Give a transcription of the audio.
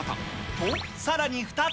と、さらに２つ。